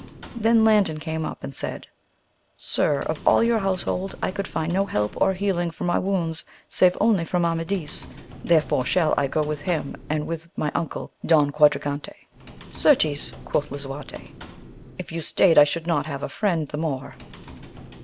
Then Landin came up and said, Sir, of all your household I could find no help or healing for my wounds save only from Amadis, therefore shall I go with him and with my uncle Don Quadragante. Certes, quoth Lisuarte, if you staid I should not have a friend the more.